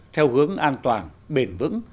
theo hướng an toàn bền vững